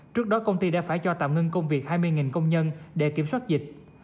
trước đó công ty đã phải cho tạm ngưng công việc hai mươi công nhân để kiểm soát dịch